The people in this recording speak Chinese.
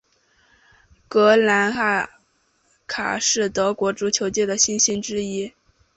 格雷茨卡是德国足球界的新星之一。